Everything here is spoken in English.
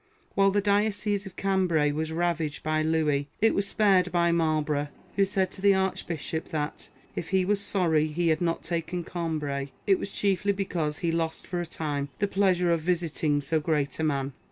AVhile the diocese of Cambray was ravaged by Louis, it was spared by Marlborough ; who said to the Archbishop that, if he was sorry he had not taken Cambray, it was chiefly because he lost for a time the pleasure of visiting so great a man.